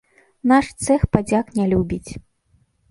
Наш цэх падзяк не любіць.